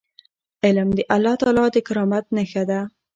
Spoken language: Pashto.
علم د الله تعالی د کرامت نښه ده.